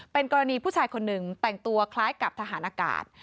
เป็นกรณีผู้ชายคนหนึ่งแต่งตัวคล้ายกับทหารอากาศ